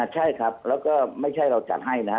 ใช่ครับแล้วก็ไม่ใช่เราจัดให้นะครับ